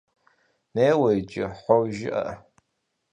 Неуэ иджы, «хьо» жыӀэ.